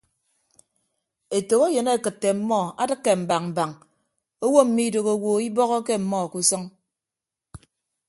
Etәkeyịn akịtte ọmmọ adịkke mbañ mbañ owo mmidooho owo ibọhọke ọmmọ ke usʌñ.